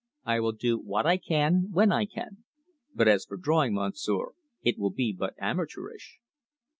"I will do what I can when I can. But as for drawing, Monsieur, it will be but amateurish."